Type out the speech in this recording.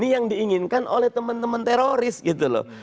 yang diinginkan oleh teman teman teroris gitu loh